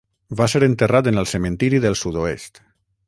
Va ser enterrat en el Cementiri del Sud-oest.